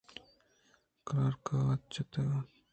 کلرکءَ وت جَتگ اَنت